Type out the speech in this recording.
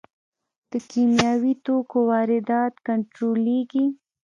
د کیمیاوي توکو واردات کنټرولیږي؟